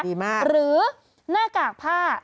ดีมากหรือหน้ากากผ้า